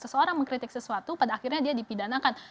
sesuatu orang mengkritik sesuatu pada akhirnya dia dipidanakan